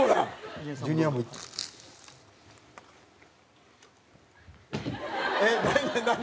ジュニア、何？